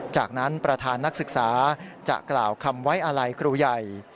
จากนั้นประธานนักศึกษาจะกล่าวคำไว้อาลัยครูใหญ่